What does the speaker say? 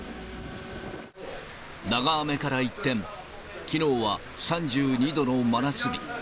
長雨から一転、きのうは３２度の真夏日。